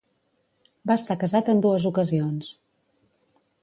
Va estar casat en dues ocasions.